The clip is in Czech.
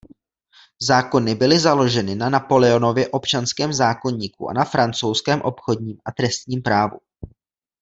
Zákony byly založeny na Napoleonově občanském zákoníku a na francouzském obchodním a trestním právu.